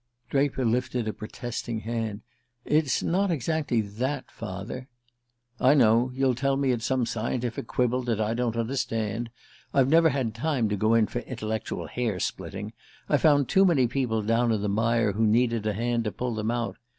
Draper lifted a protesting hand. "It's not exactly that, father " "I know: you'll tell me it's some scientific quibble that I don't understand. I've never had time to go in for intellectual hair splitting. I've found too many people down in the mire who needed a hand to pull them out.